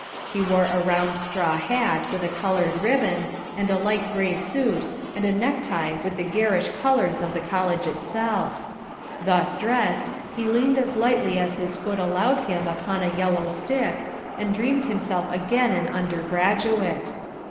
He wore a round straw hat with a coloured ribbon, and light grey suit, and a necktie with the garish colours of the college itself. Thus dressed, he leaned as lightly as his foot allowed him upon a yellow stick, and dreamed himself again an undergraduate.